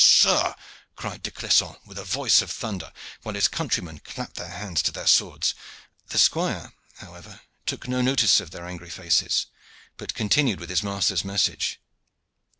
"Sir!" cried De Clisson, with a voice of thunder, while his countrymen clapped their hands to their swords. The squire, however, took no notice of their angry faces, but continued with his master's message.